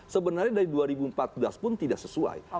sebenarnya dari dua ribu empat belas pun tidak sesuai